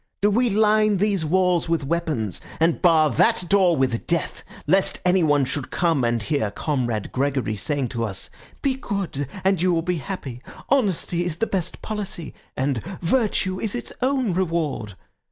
Do we line these walls with weapons and bar that door with death lest anyone should come and hear Comrade Gregory saying to us, 'Be good, and you will be happy,' 'Honesty is the best policy,' and 'Virtue is its own reward'?